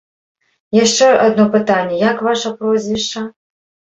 Яшчэ адно пытанне, як ваша прозвішча?